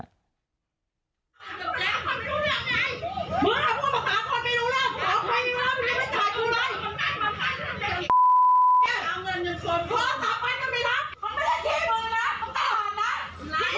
คุณตลาดนะ